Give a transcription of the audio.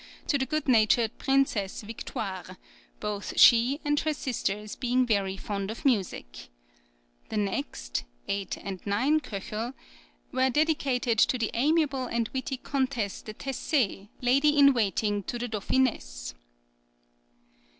to the good natured Princesse Victoire, both she and her sisters being very fond of music. The next (8,9, K.), were dedicated to the amiable and witty Comtesse de Tessê, lady in waiting to the Dauphiness.